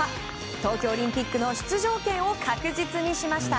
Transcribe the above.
東京オリンピックの出場権を確実にしました。